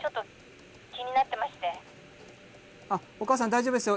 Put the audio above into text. あっお母さん大丈夫ですよ。